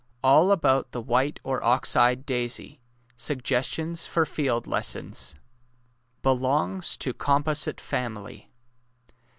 ALL ABOUT THE T\^ITE OR OX EYED DAISY SUGGESTIONS FOR FIELD LESSONS Belongs to composite family.